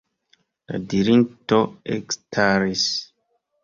La dirinto ekstaris.